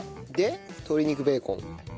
で鶏肉ベーコン。